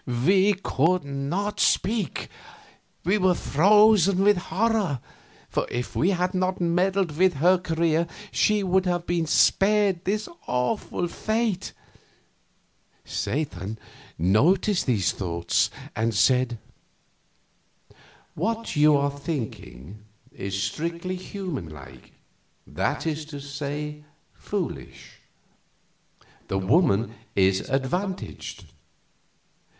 We could not speak; we were frozen with horror, for if we had not meddled with her career she would have been spared this awful fate. Satan noticed these thoughts, and said: "What you are thinking is strictly human like that is to say, foolish. The woman is advantaged.